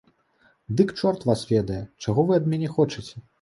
Дык чорт вас ведае, чаго вы ад мяне хочаце!